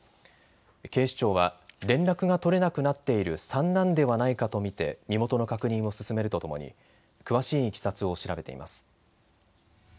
警視庁は連絡が取れなくなっている三男ではないかと見て身元の確認を進めるとともに詳しいいきさつを調べています。